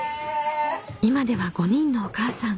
今では５人のお母さん。